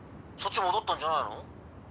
「そっち戻ったんじゃないの？」